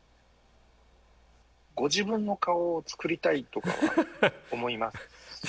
ご自分の顔を作りたいとかは思いますか？